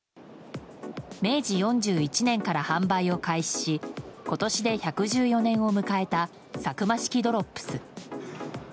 明治４１年から販売を開始し今年で１１４年を迎えたサクマ式ドロップス。